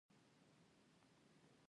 ایا بکتریاوې هسته لري؟